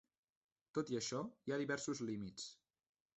Tot i això, hi ha diversos límits.